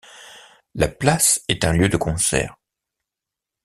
La place est un lieu de concert.